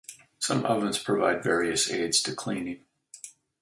Some ovens provide various aids to cleaning.